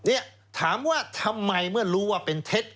นี่ถามว่าทำไมเมื่อรู้ว่าเป็นเท็จ